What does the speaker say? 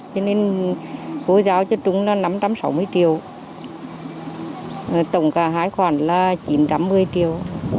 cho nên cô giáo cho chúng là năm trăm sáu mươi triệu tổng cả hai khoản là chín trăm một mươi triệu